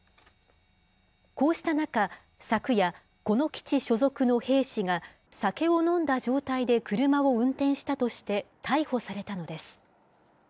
こうした中、昨夜、この基地所属の兵士が、酒を飲んだ状態で車を運転したとして、逮捕されたのです。